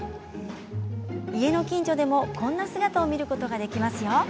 家の近所でもこんな姿を見ることができます。